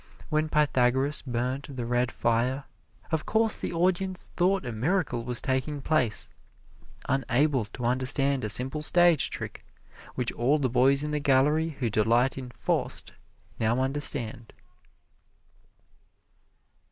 When Pythagoras burned the red fire, of course the audience thought a miracle was taking place, unable to understand a simple stage trick which all the boys in the gallery who delight in "Faust" now understand.